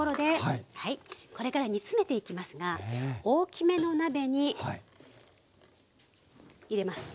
はいこれから煮詰めていきますが大きめの鍋に入れます。